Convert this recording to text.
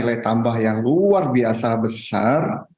nilai tambah yang luar biasa besar